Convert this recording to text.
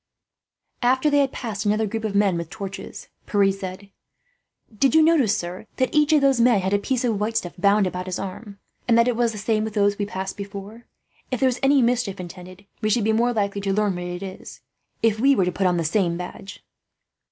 After they had passed another group of men with torches, Pierre said: "Did you notice, sir, that each of those men had a piece of white stuff bound round his arm, and that it was the same with those we passed before? If there is any mischief intended, we should be more likely to learn what it is if we were to put on the same badge."